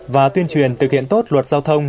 và tuyên truyền thực hiện tốt luật giao thông